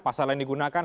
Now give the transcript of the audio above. pasal yang digunakan